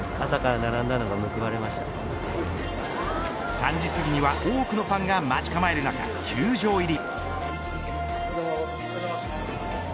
３時すぎには多くのファンが待ち構える中球場入り。